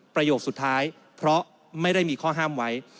ประโยคสุดท้ายเพราะไม่ได้มีข้อห้ามไว้